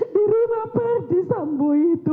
dirima perdi sambu itu